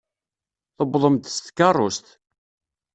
Tuwḍem-d s tkeṛṛust.